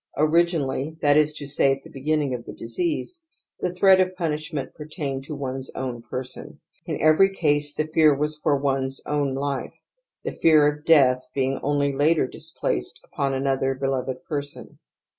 Originally, that is to say at the beginning of the disease, the threat of pun ishment pertained to one's Own person ; in every case the fear was for one's own life ; the fear of death being only later displaced upon another beloved person.